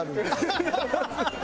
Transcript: ハハハハ！